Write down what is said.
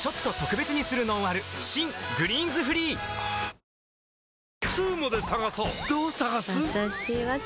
新「グリーンズフリー」ねえねえ